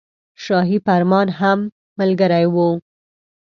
شاهي فرمان هم ملګری وو.